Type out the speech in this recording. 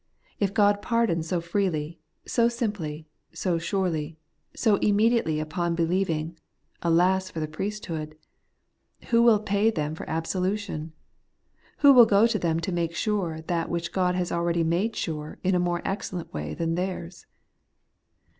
If God pardons so freely, so simply, so surely, so immediately upon believing, alas for the priesthood ! Who will pay them for absolution ? Who will go to them to make sure that which God has already made sure in a more excellent way than theirs